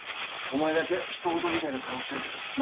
お前だけ人ごとみたいな顔してるけど。